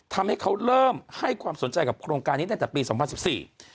ทำให้เขาเริ่มให้ความสนใจกับโครงการนี้ตั้งแต่ปีสองพันสิบสี่